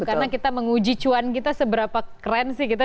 karena kita menguji cuan kita seberapa keren sih kita dua ribu delapan belas